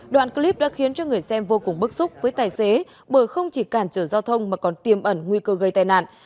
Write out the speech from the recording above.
đoạn clip đã khiến cho người xem vô cùng bức xúc với tài xế bởi không chỉ cản trở giao thông mà còn tiêm ẩn nguy cơ gây tai nạn